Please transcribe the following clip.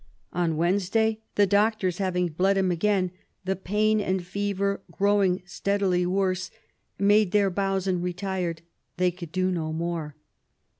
On Wednesday the doctors, having bled him again, the pain and fever growing steadily worse, made their bows and retired ; they could do no more.